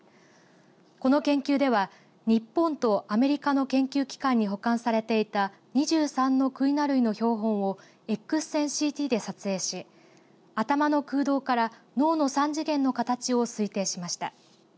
この研究では、日本とアメリカの研究機関に保管されていた２３のクイナ類の標本をエックス線ＣＴで確認し頭の空洞から脳の三次元の形を推定しました。